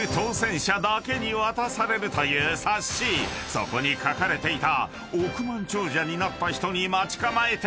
［そこに書かれていた］